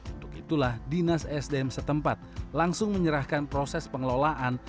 untuk itulah dinas sdm setempat langsung menyerahkan proses pengelolaan